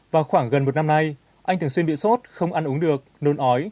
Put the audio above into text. vào khoảng gần một năm nay anh thường xuyên bị sốt không ăn uống được nôn ói